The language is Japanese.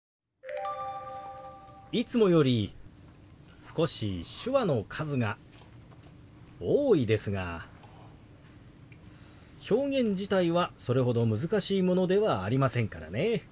いつもより少し手話の数が多いですが表現自体はそれほど難しいものではありませんからね。